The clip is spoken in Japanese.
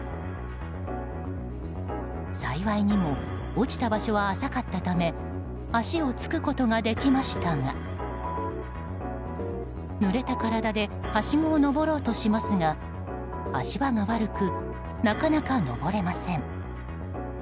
幸いにも落ちた場所は浅かったため足をつくことができましたが濡れた体ではしごを上ろうとしますが足場が悪く、なかなか登れません。